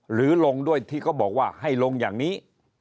ลงด้วยที่เขาบอกว่าให้ลงอย่างนี้